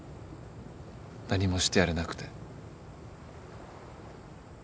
何もしてやれなくて。